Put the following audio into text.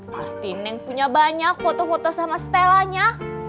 kalau neng punya banyak foto foto sama setelahnya